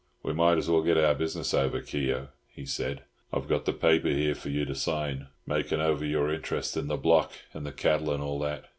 "We might as well get our business over, Keogh," he said. "I've got the paper here for you to sign, making over your interest in the block and the cattle, and all that."